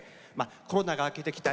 コロナが明けてきた